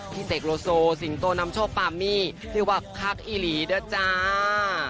ที่เซกโลโซสิงโตนำโชภามีที่บับคักอีหลีด้าจ้า